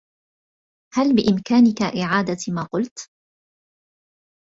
هل بإمكانك إعادة ما قلت؟